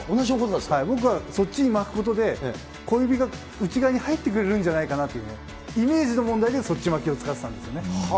僕はそっちに巻くことで、小指が内側に入ってくれるんじゃないかなっていう、イメージの問題で、そっち巻きを使ってたんですよね。